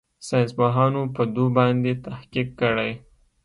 ساينسپوهانو په دو باندې تحقيق کړى.